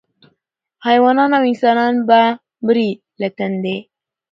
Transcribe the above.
حیوانان او انسانان به مري له تندي